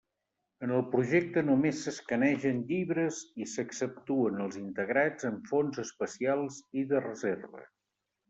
En el projecte només s'escanegen llibres i s'exceptuen els integrats en fons especials i de reserva.